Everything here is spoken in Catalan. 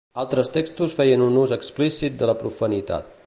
Altres textos feien un ús explícit de la profanitat.